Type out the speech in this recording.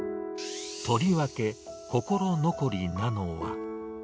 とりわけ、心残りなのは。